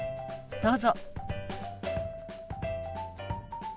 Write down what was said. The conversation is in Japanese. どうぞ。